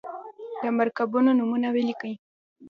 د مرکبونو نومونه ولیکئ.